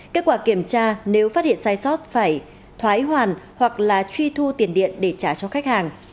kết quả kiểm tra nếu phát hiện sai sót phải thoái hoàn hoặc là truy thu tiền điện để trả cho khách hàng